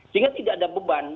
sehingga tidak ada beban